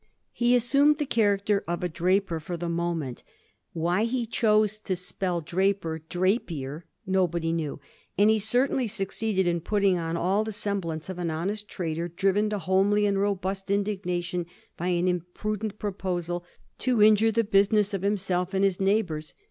He assumed the character of a draper for the moment Digiti zed by Google 1724 THE DRAPIER'S ARGUMENTS. 321 — why he chose to spell draper ^drapier' nobody knew — and he certainly succeeded in putting on all the semblance of an honest trader driven to homely and robust indignation by an impudent proposal to injure the business of himself and his neighbours.